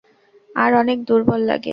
আর অনেক দূর্বল লাগে।